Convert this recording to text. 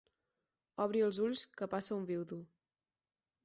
Obri els ulls, que passa un viudo.